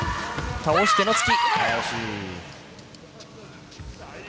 倒しての突き。